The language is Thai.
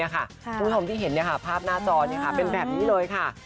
คุณผู้ชมที่เห็นภาพหน้าจอเป็นแบบนี้เลยค่ะ